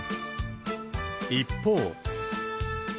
一方。